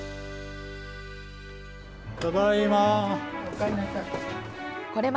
ただいま。